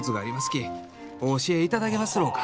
きお教えいただけますろうか？」。